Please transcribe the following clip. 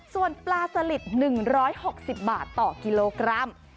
ส่วนปลาสลิด๑๖๐บาทต่อกิโลกรัม